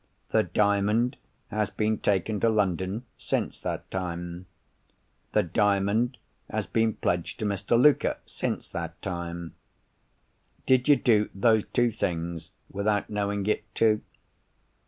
The Diamond has been taken to London, since that time. The Diamond has been pledged to Mr. Luker, since that time. Did you do those two things, without knowing it, too?